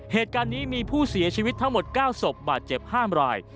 เหตุการณ์นี้มีผู้เสียชีวิตทั้งหมด๙ศพบาดเจ็บ๕ราย